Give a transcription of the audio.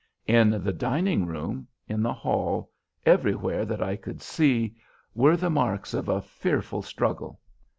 In the dining room, in the hall, everywhere that I could see, were the marks of a fearful struggle.